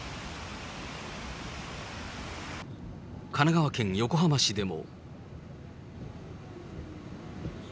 神奈川県横浜市でも。